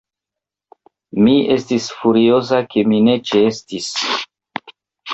Mi estis furioza, ke mi ne ĉeestis.